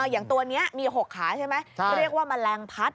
อย่างตัวนี้มี๖ขาใช่ไหมเรียกว่าแมลงพัด